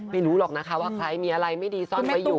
ไม่รู้หรอกนะคะว่าใครมีอะไรไม่ดีซ่อนไว้อยู่